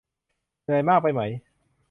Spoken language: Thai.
เหนื่อยมากไปไหม